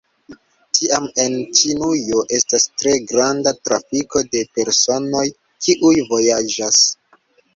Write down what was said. Tiam en Ĉinujo estas tre granda trafiko de personoj, kiuj vojaĝas.